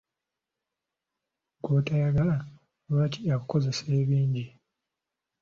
Gw'otoyagala lwaki akukozesa ebingi?